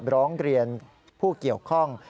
ร้องเรียนผู้เกี่ยวข้อง